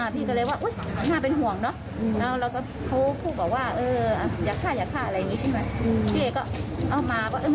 พี่ก็เลยว่าอุ๊ยน่าเป็นห่วงเนอะแล้วถูกบอกว่าอย่าฆ่าอะไรอย่างนี้ใช่ไหม